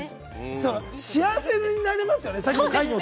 幸せになれますよね。